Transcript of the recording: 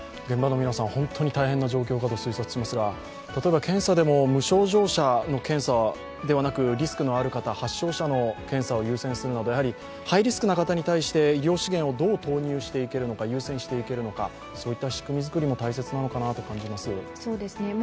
現場の皆さん、本当に大変な状況かと推計しますが例えば検査でも無症状者の検査ではなく、リスクのある方、発症者の検査を優先するなど、ハイリスクな方に対して医療資源をどう優先していけるのかそういった仕組み作りも大切なのかなと感じます。